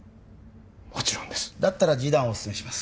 もちろんですだったら示談をお勧めします